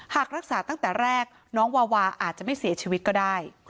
หากรักษาตั้งแต่แรกน้องวาวาอาจจะไม่เสียชีวิตก็ได้